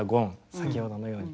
先ほどのように。